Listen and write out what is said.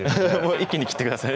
一気に切ってください